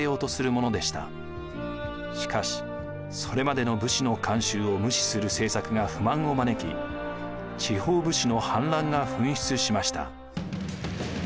しかしそれまでの武士の慣習を無視する政策が不満を招き地方武士の反乱が噴出しました。